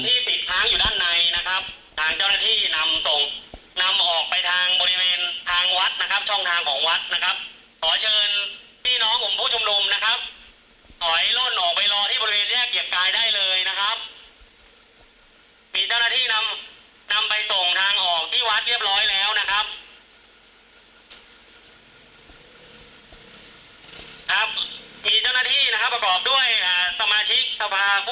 มีเจ้าหน้าที่นะครับประกอบด้วยสมาชิกทภาพผู้แทนรัศดรนะครับ